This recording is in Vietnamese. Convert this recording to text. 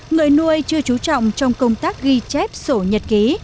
người nuôi chưa trú trọng trong công tác ghi chép sổ nhật ký